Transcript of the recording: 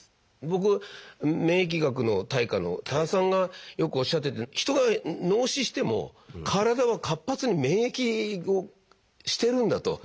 僕免疫学の大家の多田さんがよくおっしゃってて人が脳死しても体は活発に免疫をしてるんだと。